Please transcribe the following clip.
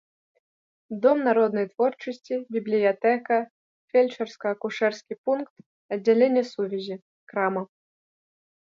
Дом народнай творчасці, бібліятэка, фельчарска-акушэрскі пункт, аддзяленне сувязі, крама.